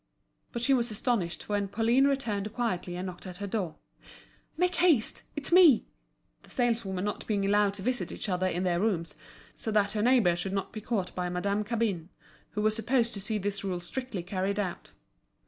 But she was astonished when Pauline returned quietly and knocked at her door. "Make haste, it's me!" The saleswomen not being allowed to visit each other in their rooms, Denise quickly unlocked the door, so that her neighbour should not be caught by Madame Cabin, who was supposed to see this rule strictly carried out.